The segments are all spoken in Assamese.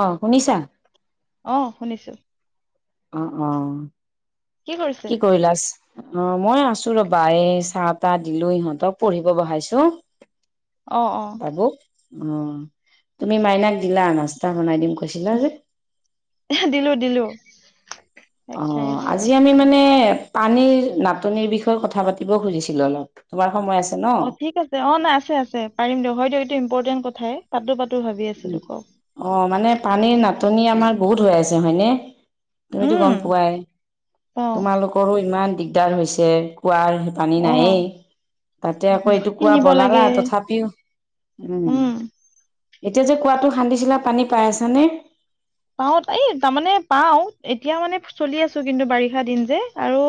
অঁ শুনিছা অঁ শুনিছো অঁ অঁ কি কৰিলা অঁ মই আছো ৰবা এই চাহ তাহ দিলো ইহঁতক পঢ়িব বঢ়াইছো অঁ অঁ অঁ তুমি মাইনাক দিলা নাচত বনাই দিম কৈছিলা যে দিলো দিলো তাই খাই অঁ আছে আজি আমি মানে পানীৰ নাটনিৰ বিষয়ে কথা পাতিব খুজিছিলো অলপ তোমাৰ সময় আছে ন অঁ ঠিক আছে অ না আছে আছে পাৰিম দিয়ক হয় দিয়ক এইটো ইম্পৰ্টেণ্ট কথাই পাতো ভাবি আছিলো কওক অঁ মানে পানীৰ নাটনি আমাৰ বহুত হৈ আছে হয়নে তুমিতো উম গম পোৱাই অ তোমালোকৰো ইমান দিগদাৰ হৈছে কোঁৱাৰ সেই পানী অ নায়েই তাতে আকৌ এইটো কুৱাঁ কিনিব লাগে বনালা তথাপিও উম এতিয়া যে কোঁৱাতটো খান্দিছিলা পানী পাই আছানে পাওঁ এই তাৰমানে পাওঁ এতিয়া মানে চলি আছো কিন্তু বাৰিষা দিন যে আৰু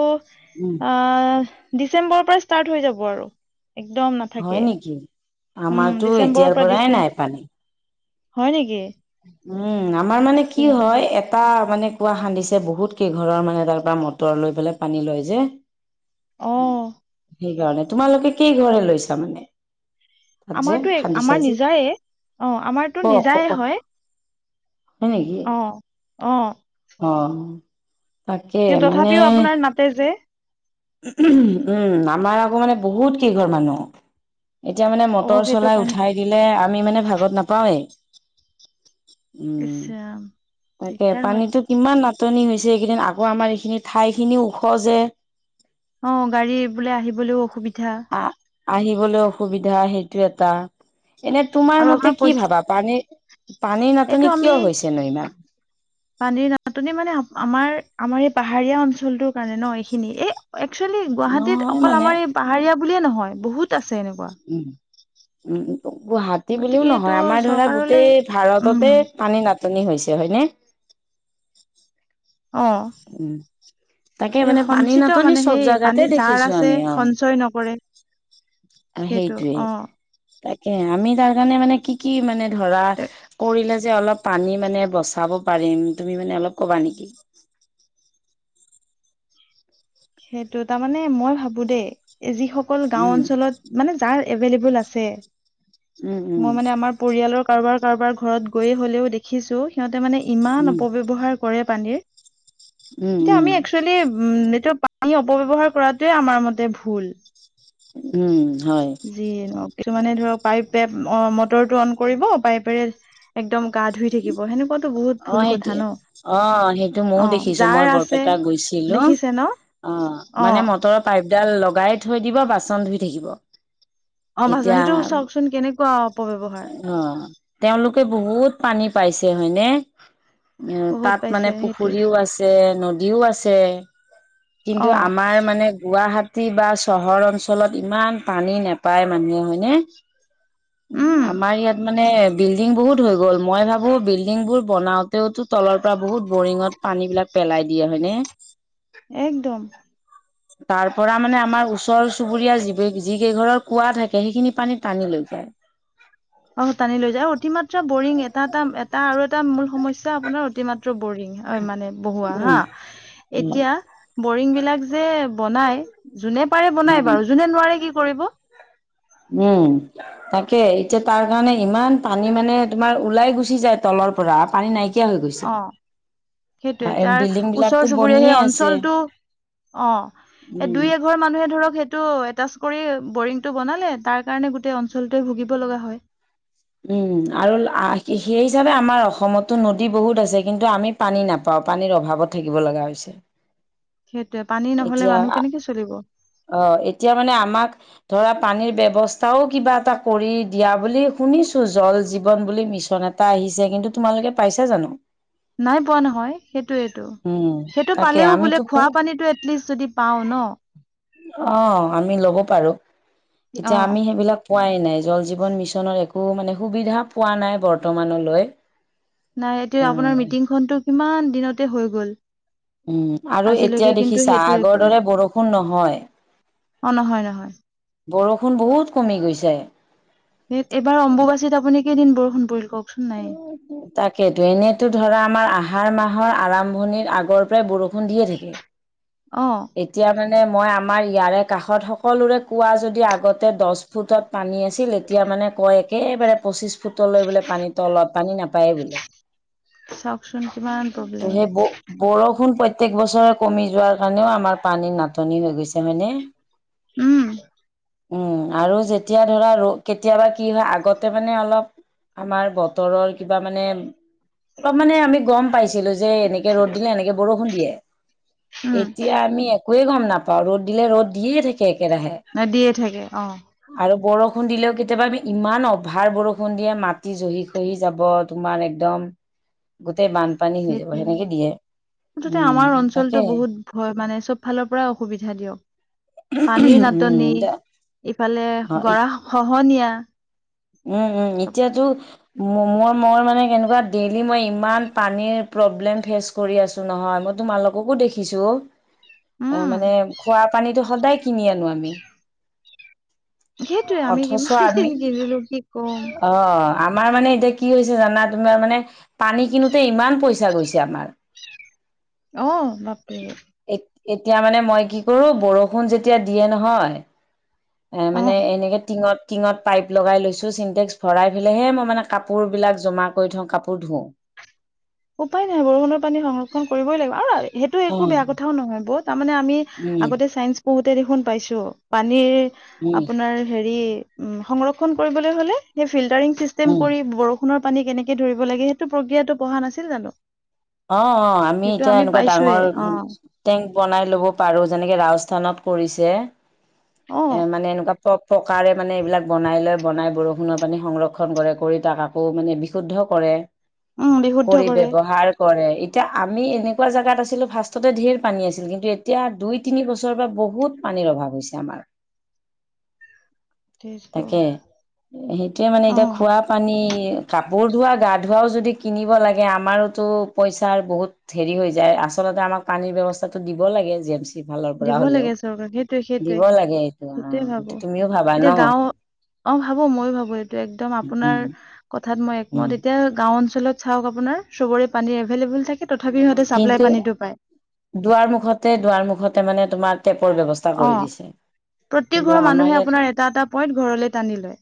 উম। অঁ ডিচেম্বৰৰ পৰা ষ্টাৰ্ট হৈ যাব আৰু একদম হয় নাথাকে নেকি? উম আমাৰতো এতিয়াৰ ডিচেম্বৰৰ পৰা পৰাই দিছে নাই পানী। হয় নেকি উম আমাৰ ইছ মানে কি ৰাম। হয় এটা মানে কুৱা খান্দিছে বহুত কেইঘৰৰ মানে তাৰ পৰা মটৰ লৈ পেলাই পানী লয় যে। আহ সেইকাৰণে তোমালোকে কেই ঘৰে লৈছা মানে। তাত যে আমাৰতো খান্দিছা আমাৰ যে? নিজায়ে অ অ আমাৰতো অ নিজায়ে হয় আহ আহ অ'তাকে মানে তথাপিও আপোনাৰ নাতে যে উম আমাৰ আকৌ মানে বহুত কেইঘৰ মানুহ এতিয়া মানে অ মটৰ সেইটো চলাই কাৰণে উঠাই দিলে আমি মানে ভাগত নাপাওৱেই ইচ উম ৰাম তাকে দিগদাৰ হয় পানীতো কিমান নাটনি হৈছে এইকেইদিন আকৌ আমাৰ এইখিনি ঠাই খিনিও ওখ যে অঁ গাড়ী বোলে আহিবলৈও অসুবিধা আহ আহিবলৈ অসুবিধা সেইটো এটা এনে তোমাৰ আৰু আপোনাৰ মতে কি পইচা ভাবা পানীৰ পানীৰ এইটো নাটনি আমি কিয় হৈছে নো ইমান। পানীৰ নাটনি মানে আমাৰ আমাৰ এই পাহাৰীয়া অঞ্চলটোৰ কাৰণে ন এইখিনি। এই একচুৱেলি গুৱাহাটীত নহয় অকল মানে আমাৰ এই পাহাৰীয়া বুলিয়ে নহয় বহুত আছে এনেকুৱা। উ গুৱাহাটী গতিকে বুলিও এইটো নহয় আমাৰ ধৰা চৰকাৰলৈ গোটেই উম ভাৰততে পানী নাত নাটনি হৈছে হয়নে? অ উম তাকে এই মানে পানী সঞ্চিত নাটনি মানে চব সেই পানী জোগাতে যাৰ দেখিছো আছে আমি আৰু। সঞ্চয় নকৰে অ সেইটো সেইটয়ে অ তাকে আমি তাৰ কাৰণে মানে কি কি মানে ধৰা তে কৰিলা যে অলপ পানী মানে বচাব পাৰিম তুমি মানে অলপ কবা নেকি? সেইটো তাৰমানানে মই ভাবো দেই যিসকল গাওঁ উম, উম, অঞ্চলত মানে যাৰ এভেলেবল আছে উম, মই মানে আমাৰ পৰিয়ালৰ কাৰোবাৰ কাৰোবাৰ ঘৰত গৈয়ে হ'লেও দেখিছোঁ সিহঁতে মানে ইমান উম, অপব্যৱহাৰ কৰে পানীৰ উম, তো উম, আমি এক্সুয়েলি এইটো আমি অপব্যৱহাৰ কৰাটোৱে আমাৰ মতে ভুল। উম হয় যিয়ে ন কিছুমানে ধৰক পাইপে অ মটৰটো অন কৰিব পাইপেৰে একদম গা ধুই থাকিব সেনেকুৱা। অ' সেইটো অ' সেইটো মইয়ো অ দেখিছো, যাৰ মই আছে বৰপেটা গৈছিলো। দেখিছে ন অ অ মানে মটৰৰ পাইপডাল লগাই থৈ দিব বাচন ধুই থাকিব। অ' ভছ এতিয়া সেইটো চাওঁকচোন কেনেক অ' তেওঁলোকে বহুত পানী পাইছে হয়নে। বহুত তাত পাইছে মানে সেইটোৱে পুখুৰীও আছে নদীও আছে কিন্তু অ আমাৰ মানে গুৱাহাট চিটি বা চহৰ অঞ্চলত ইমান পানী নোপায় মানুহে হয়নে উম আমাৰ ইয়াত মানে বিল্ডিং বহুত হৈ গ'ল মই ভাবো বিল্ডিং বোৰ বনাওঁতেওতো তলৰ পৰা বহুত বৰিঙত পানী বিলাক পেলাই দিয়া হয়নে। একদম। তাৰ পৰা মানে আমাৰ ওচৰ চুবুৰীয়া যি যি কেইঘৰৰ কুৱা থাকে সেইখিনি পানীত টানি লৈ চ [unintelligible] অ' টানি লৈ যায় অতিমাত্ৰা বৰিং এটা এটা এটা আৰু এটা মূল সমস্যা। আপোনাৰ অতিমাত্ৰা টো বৰিং হয় মানে বহোৱা উম, উম, এতিয়া বৰিং বিলাক যে বনাই যোনে পাৰে বনাই উম। বাৰু যোনে নোৱাৰে কি কৰিব? উম তাকে এতিয়া তাৰ কাৰণে ইমান পানী মানে তোমাৰ ওলাই গুচি যায় তলত পৰা পানী নাইকিয়া হৈ গৈছিল। অ সেইটোয়ে তাৰ ওচৰ চুবুৰীয়া সেই আছে অঞ্চলটো অ এই উম। দুই এঘৰ মানুহে ধৰক টো এটাচকৰি বৰিংটো বনালে তাৰ কাৰণে গোটেই অঞ্চলটোৱে ভুগিব লগা হয়। উম, আৰু সেই হিচাপে আমাৰ অসমতো নদী বহুত আছে কিন্তু আমি পানী নাপাওঁ। পানীৰ অভাৱত থাকিব লগা হৈছে। সেইটোৱে পানী নহলে এতিয়া মানুহ কেনেকে চলিব অ' এতিয়া মানে আমাক ধৰা পানীৰ ব্যৱস্থাও কিবা এটা কৰি দিয়া বুলি শুনিছো জল জীৱন বুলি মিছন। এটা আহিছে, কিন্তু তোমালোকে পাইছা জানো। নাই পোৱা নহয় সেইটোইটো উম সেইটো তাকে পালেও বোলে আমিতো খোৱা প- পানী এটলিষ্ট যদি পাও ন অ' আমি ল'ব পাৰো, অ এতিয়া আমি সেইবিলাক পোৱাই নাই। জল জীৱন মিছন একো মানে সুবিধা পোৱা নাই বৰ্তমানলৈ নাই এতিয়া আপোনাৰ উম মিটিং খনটো কিমান দিনত উম আৰু এতিয়া আজিলৈকে কিন্তু দেখিছা সেইটোৰ একো আগৰ নাই দৰে বৰষুণ নহয়। অ' নহয় নহয়। বৰষুণ বহুত কমি গৈছে এইবাৰ অম্বুবাচীত আপুনি কেইদিন বৰষুণ পৰিল কওক তাকেইেতো এনেতো ধৰা আমাৰ আহাৰ মাহ মাহৰ আৰম্ভণিত আগৰ পৰাই বৰষুণ দিয়ে থাকে। আহ, এতিয়া মানে মই আমাৰ ইয়াৰে কাষত সকলোৰে কোৱা যদি আগতে দহ ফুটত পানী আছিল এতিয়া মানে কয় একেবাৰে পঁচিশ ফুটলৈ বোলে পানী তলত পানী নাপায়েই বোলে। চাওকচোন কিমান তো প্ৰব্লেম সেই ব বৰষুণ প প্ৰত্যেক বছৰে কমি যোৱাৰ কাৰণেও আমাৰ পানীৰ নাটনি হৈ গৈছে। তাৰ মানে উম উম, আৰু যেতিয়া ধৰা ৰ কেতিয়াবা কি হয় আগতে মানে অলপ আমাৰ বতৰৰ কিবা মানে। অলপ মানে আমি গ'ম পাইছিলো, যে এনেকে ৰ'দ দিলে এনেকে বৰষুণ দিয়ে। উম এতিয়া আমি একোৱে গ'ম নাপাওঁ, ৰ'দ দিলে ৰ'দ দিয়ে থাকে। একেৰাহে। নেদিয়ে থাকে অ' আৰু বৰষুণ দিলেও কেতিয়াবা আ ইমান অভাৰ বৰষুণ দিয়ে মাটি জহি খহি যাব তোমাৰ একদম গোটেই বানপানী হৈ যাব সেইটোয়ে সেনেকে দিয়ে উম, তাকে। হয় মানে চ'ব ফালৰ পৰা অসুবিধা দিয়ক। পানীৰ নাটনি উম দে ইফালে অ গৰা খহনীয়া। উম, উম, এতিয়া চবফালে টো মই মই মানে কেনেকুৱা ডেইলি মই ইমান পানীৰ প্ৰব্লেম ফেচ কৰি আছো নহয় মই তোমালোককো দেখিছো। আহ উম মানে খোৱা পানীটো সদায় কিনি আনো আমি। সেইটোৱে আমি অথচ কি আমি কিনিলো কি কম। অ আমাৰ মানে এতিয়া কি হৈছে জানা তোমাৰ মানে পানী কিনোতে ইমান পইচা গৈছে আমাৰ। অ' বাপ ৰে এতিয়া মানে মই কি কৰো বৰষুণ যেতিয়া দিয়ে নহয় এ অ মানে এনেকে টিঙত টিঙত পাইপ লগাই লৈছো চিনন্টেক্স ভৰাই পেলাইহে মই মানে কাপোৰ বিলাক জমা কৰি থওঁ কাপোৰ ধোওঁ। [inaudible] উপায় নাই বৰষুণৰ পানী সংৰক্ষণ কৰিবই লাগিব আৰু সেইটো অ একো বেয়া কথাও নহয় বহ। তাৰমানে আমি উম আগতে চাইন্স পঢ়োতে দেখোন পাইছো পানীৰ উম আপোনাৰ হেৰি উম, সংৰক্ষণ কৰিবলৈ হ'লে ফিল্টাৰিং চিষ্টেম উম কৰি ভৰ বৰষুণৰ পানী কেনেকে ধৰিব লাগে সেইটো প্ৰক্ৰিয়াতটো পঢ়া নাছিল জানো? অ' অ' আমি সেইটো এতিয়া এনেকুৱা পাইছোয়ে ডাঙৰ অ টেংক বনাই ল'ব পাৰো যেনেকে ৰাছ স্থানত কৰিছে অ এ মানে এনেকুৱা চব প্ৰকাৰে মানে এইবিলাক বনাই লৈ বনাই বৰষুণৰ পানী সংৰক্ষণ কৰে কৰি তাক আকৌ মানে বিশুদ্ধ কৰে উম বিশুদ্ধ কৰি কৰে ব্যৱহাৰ কৰে এতিয়া আমি এনেকুৱা জাগাত আছিলো ফাৰ্ষ্টতে ধেৰ পানী আছিল। কিন্তু এতিয়া দুই তিনি বছৰ পৰা বহুত পানীৰ অভাৱ হৈছে আমাৰ। সেইটো তাকে সেইটোয়ে মানে অ এতিয়া খোৱা পানী কাপোৰ ধোৱাঁ গা ধোৱাও যদি কিনিবা লাগে আমাৰোতো পইচাৰ বহুত হেৰি হৈ যায় আচলতে আমাক পানীৰ ব্যৱস্থাটো দিব লাগে জি এম চি ফালৰ দিব পৰা হলেওঁ লাগে চৰকাৰক সেইটোৱে সেইটোৱে দিব লাগে এইটো সেইটোৱে অ', ভাবো এইটো তুমিও ভাবা এতিয়া ন'। গাঁও অ' ভাবো ময়ো ভাবো এইটো একদম উম উম আপোনাৰ কথাত মই একমত উম এতিয়া গাওঁ অঞ্চলত চাওঁক আপোনাৰ চবৰে পানী এভেইলেবল থাকে। তথাপি সিহঁতে চাপ্লাই কিন্তু পানীটো পায়। দুৱাৰ মুখতে দুৱাৰ মুখতে মানে তোমাৰ টেপৰ ব্যৱস্থা অ কৰি দিছে প্ৰত্যেক কিন্তু ঘৰ আমাৰ মানুহে ইয়াত আপোনাৰ এটা এটা পইণ্ট ঘৰলৈ টানি লয়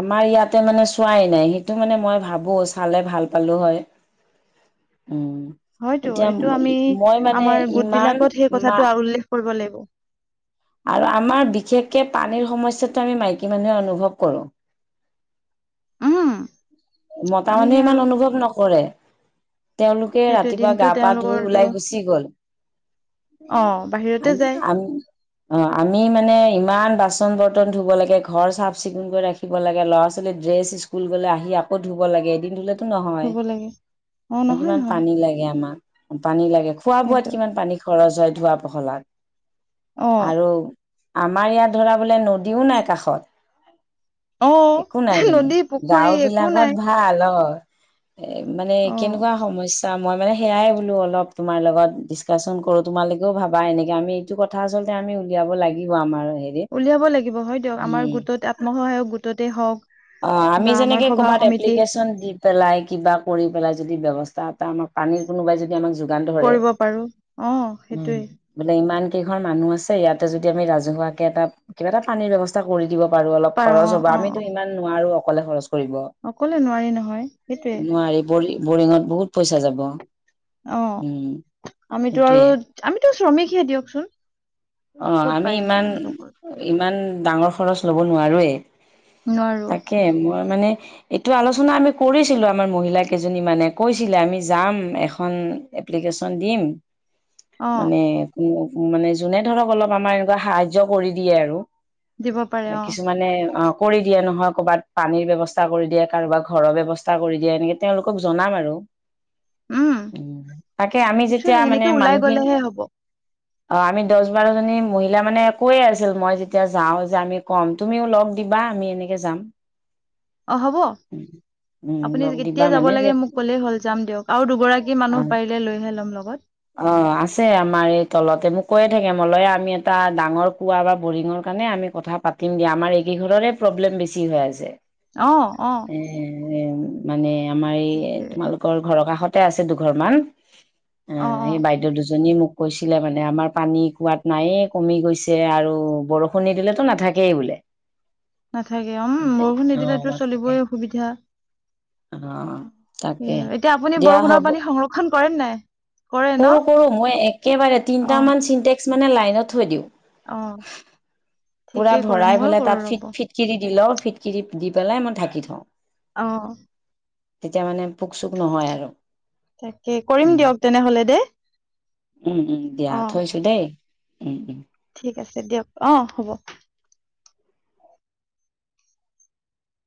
আমাৰ ইয়াতে মানে চোৱাই নাই সেইটো মানে মই ভাবো চালে ভাল পালো হয়। উম। হয়তো এতিয়া এইটো আমি মই মানে আমাৰ গোট ইমান বিলাকত সেই মা কথাটো উল্লেখ কৰিব লাগিব আৰু আমাৰ বিশেষকে পানীৰ সমস্যাটো আমি মাইকী মানুহে অনুভৱ কৰোঁ। উম আমি সে মতামানুহে আৰু ইমান অনুভৱ নকৰে। তেওঁলোকে ৰাতি সেইটোৱে ৰাতিপুৱা দিনটো গা পা ধুই তেওঁলোকৰটো ওলাই গুচি গ'ল। অ বাহিৰতে আমি যায় আম অ', আমি মানে ইমান বাচন বৰ্তন ধুব লাগে, ঘৰ চাফ চিকুণ কৰি ৰাখিব, লাগে ল'ৰা ছোৱালী ড্ৰেছ স্কুল গ'লে আহি আকৌ ধুব লাগে এদিন ধুলে টো নহয়, থব লাগে অ নহয় কিমান নহয় পানী লাগে। পানী লাগে খোৱা বোৱাত সেইটো কিমান পানী খৰচ হয় ধোৱা পখলাত অ আৰু আমাৰ ইয়াত ধৰা বোলে নদীও নাই কাষত। অ একো নাই মানে নদী পুখুৰী গাওঁ একো বিলাকত নাই ভাল অ'। এ মানে অ কেনেকুৱা সমস্যা মই মানে সেয়াই বোলো অলপ তোমাৰ লগত ডিছকাশচন কৰোঁ তোমালোকেও ভাবা এনেকে আমি এইটো কথা আচলতে আমি উলিয়াব লাগিব আমাৰ। হেৰিত উলিয়াব লাগিব হয় দিয়ক উম আমাৰ গোটত আত্মসহায়ক গোটতে হওঁক। অ', আমি যেনেকে ক'ৰবাত এপ্লিকেশ্যন দি পেলাই কিবা কৰি পেলাই যদি ব্যব পানীৰ কোনোবাই যদি আমাক যোগান ধৰে, কৰিব পাৰো অ উ সেইটোৱে বোলে ইমান কেইঘৰ মানুহ আছে ইয়াতে যদি আমি ৰাজহুৱাকে এটা কিবা এটা পানীৰ ব্যৱস্থা কৰি দিব বাৰু অলপ পাৰো খৰচ অ হ'ব অ আমিতো অ মাৰো অকলে খৰচ কৰিব অকলে নহয় সেইটোৱে নোৱাৰি পৰি বৰিঙত বহুত পইচা যাব উম অ', আমিতো আৰু সেইটোয়ে আমিতো শ্ৰমিকহে দিয়কচোন। অ', ক'ত আমি পাৰিম এই ইমান মানুহবোৰক ইমান ডাঙৰ খৰচ ল'ব নোৱাৰোৱেই। নোৱাৰো তাকে মই মানে এইটো আলোচনা আমি কৰিছিলো আমাৰ মহিলা কেইজনীমানে কৈছিলে আমি যাম এখন এপ্লিকেশ্যন দিম অ মানে কোনো মানে যোনে ধৰক অলপ আমাৰ এনেকুৱা সাহায্য কৰি দিয়ে আৰু। দিব পাৰে অ কিছুমানে অ' কৰি দিয়ে নহয় কৰ'ৰবাত পানীৰ ব্যৱস্থা কৰি দিয়ে, কাৰোবাৰ ঘৰৰ ব্যৱস্থা কৰি দিয়ে, এনেকে তেওঁলোকক জনাম আৰু। উম তাকে আমি যেতিয়া একচুৱেলি মানে সেনেকে ওলাই মানুহখিনি গলেহে হ'ব অ', আমি দহ বাৰজনী মহিলা মানে একোৱে আছিল মই যেতিয়া যাওঁ যে আমি কম তুমিও লগ দিবা আমি এনেকে যাম উ। অ', হ'ব। আপুনি লগ দিবা কেতিয়া যাব মানে যে লাগে মোক কলেই হ'ল যাম দিয়ক আৰু দুগৰাকী মানুহ অ পাৰিলে লৈহে লম লগ অ আছে আমাৰ এই তলতে মোক কৈয়ে থাকে মলযা আমি এটা ডাঙৰ স কাৰণে আমি কথা পাতিম দিয়া আমাৰ এইকেই ঘৰৰে প্ৰব্লেম বেছি হৈ আছে অ অ এ এ মানে আমাৰ এই সেইটোৱে তোমালোকৰ ঘৰৰ কাষতে আছে দুঘৰ মান অ সেই বাইদেউ দুজনী মোক কৈছিলে মানে আমাৰ পানী কোৱাত নায়ে কমি গৈছে আৰু বৰষুণ নি দিলেতো নাথাকেই বোলে [unintelligible] নাথাকে উম বৰষুণ নিদিল তো চলিবই অসুবিধা আহ। এতিয়া আপুনি বৰষুণৰ পানী সংৰক্ষণ কৰে নাই। কৰে ন কৰো কৰো মই একেবাৰে অ তিনটামান চিন্টেক্স মানে লাইনত থৈ দিওঁ। অ পুৰা ঠিকেই কৰে ভৰাই ময়ো পেলাই কৰো তাত ফিট ৰ'ব ফিটকিৰি দি লওঁ। ফিটকিৰি দি দি পেলাই মই ঢাকি থওঁ আহ। তেতিয়া মানে পোক চোক নহয় আৰু। তাকে কৰিম দিয়ক উম তেনেহ'লে দেই। দিয়া অ থৈছোঁ দেই ঠিক আছে দিয়ক অ হ'ব